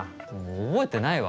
覚えてないわ。